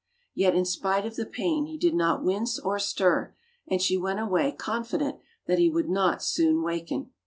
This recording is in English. Yet in spite of the pain he did not wince or stir, and she went away confident that he would not soon waken.